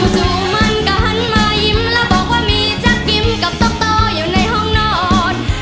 สู่มันก็หันมายิ้มแล้วบอกว่ามีจักรกิมกับต๊อกโตอยู่ในห้องนอน